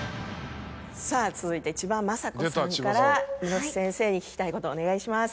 さぁ続いて千葉真子さんから室伏先生に聞きたいことお願いします。